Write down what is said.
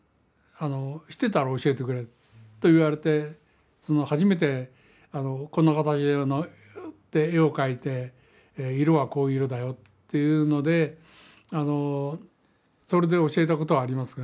知ってたら教えてくれ」と言われて初めてこんな形のって絵を描いて色はこういう色だよというのでそれで教えたことはありますけどね。